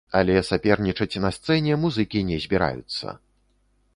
Але сапернічаць на сцэне музыкі не збіраюцца!